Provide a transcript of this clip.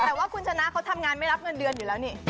แต่ว่าคุณชนะเขาทำงานไม่รับเงินเดือนอยู่แล้วนี่